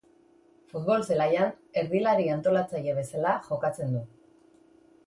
Futbol zelaian, erdilari antolatzaile bezala jokatzen du.